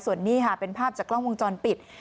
ส่วนนี้ค่ะเป็นภาพจากกล้องวงจรปิด